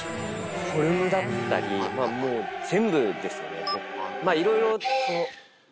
フォルムだったり、もう全部ですね。